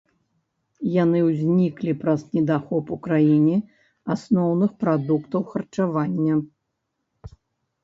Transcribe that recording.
Яны ўзніклі праз недахоп у краіне асноўных прадуктаў харчавання.